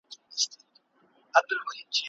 توريالی